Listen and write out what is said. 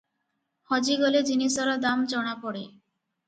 ହଜିଗଲେ ଜିନିଷର ଦାମ ଜଣା ପଡ଼େ ।